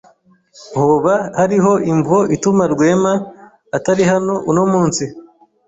Hoba hariho imvo ituma Rwema atari hano uno munsi?